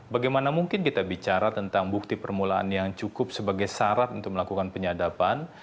bagaimana mungkin kita bicara tentang bukti permulaan yang cukup sebagai syarat untuk melakukan penyadapan